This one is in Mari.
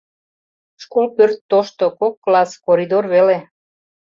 Школ пӧрт тошто, кок класс, коридор веле.